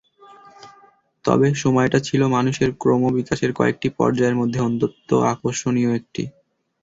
তবে সময়টা ছিল মানুষের ক্রমবিকাশের কয়েকটি পর্যায়ের মধ্যে অত্যন্ত আকর্ষণীয় একটি।